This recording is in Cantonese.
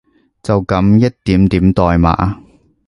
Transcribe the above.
就噉一點點代碼